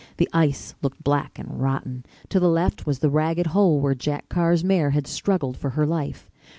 The ice looked black and rotten. To the left was the ragged hole where Jack Carr's mare had struggled for her life.